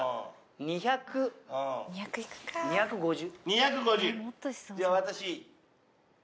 ２５０。